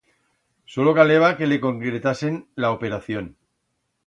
Solo caleba que le concretasen la operación.